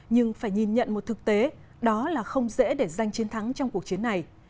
nhưng phải nhìn nhận một thực tế đó là không dễ để giành chiến thắng trong cuộc chiến này